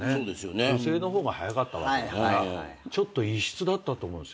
女性の方が早かったわけだからちょっと異質だったと思うんです。